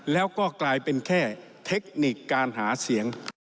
แล้วก็กลายเป็นแค่เทคนิคการหาเสียง